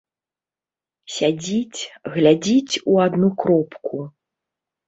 Сядзіць, глядзіць у адну кропку.